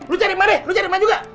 lu cari emak deh lu cari emak juga